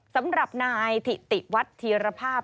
สำหรับนายถิติวัฒน์ธีรภาพ